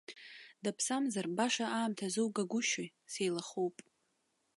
Даԥсамзар, баша аамҭа зугагәышьои, сеилахоуп.